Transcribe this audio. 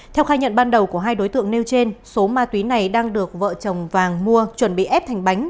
theo khai nhận ban đầu của hai đối tượng nêu trên số ma túy này đang được vợ chồng vàng mua chuẩn bị ép thành bánh